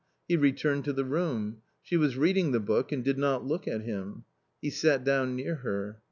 He returned to the room. She was reading the book and did not look at him. He sat down near her.